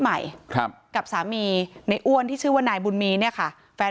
ทั้งครูก็มีค่าแรงรวมกันเดือนละประมาณ๗๐๐๐กว่าบาท